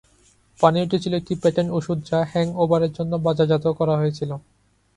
পানীয়টি ছিল একটি পেটেন্ট ঔষধ যা হ্যাংওভারের জন্য বাজারজাত করা হয়েছিল।